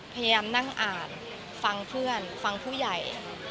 พยายามนั่งอ่านฟังเพื่อนฟังผู้ใหญ่